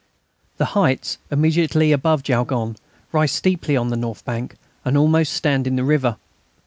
The heights immediately above Jaulgonne rise steeply on the north bank, and almost stand in the river.